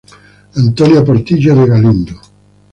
Antonia Portillo de Galindo.